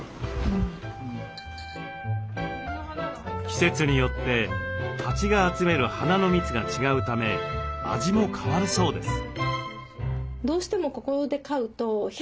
季節によって蜂が集める花の蜜が違うため味も変わるそうです。